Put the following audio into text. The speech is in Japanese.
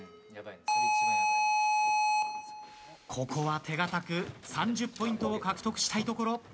ここは手堅く３０ポイントを獲得したいところ。